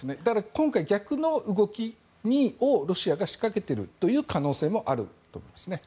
今回、逆の動きをロシアが仕掛けている可能性もあると思いますね。